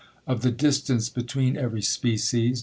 Of the distance between every species.